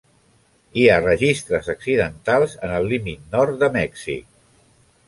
Hi ha registres accidentals en el límit nord de Mèxic.